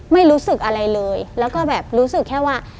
ไม่รู้สึกอะไรเลยแล้วก็แบบรู้สึกแค่ว่า